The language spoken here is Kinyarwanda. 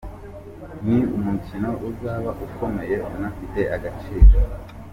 Ni umukino uzaba ukomeye unafite agaciro.